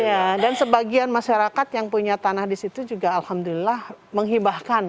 iya dan sebagian masyarakat yang punya tanah di situ juga alhamdulillah menghibahkan